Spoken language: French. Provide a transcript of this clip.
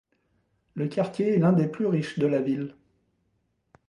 Le quartier est l’un des plus riches de la ville.